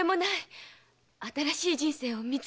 新しい人生を見つけたいんです。